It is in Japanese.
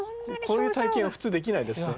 こういう体験は普通できないですね。